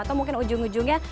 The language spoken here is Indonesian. atau mungkin ujung ujungnya